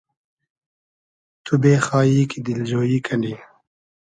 تو بېخایی کی دیلجۉیی کنی